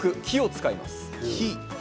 木を使います。